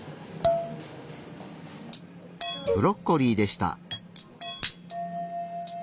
ブロッコリーでした。